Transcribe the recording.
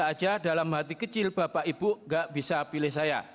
tidak saja dalam hati kecil bapak ibu gak bisa pilih saya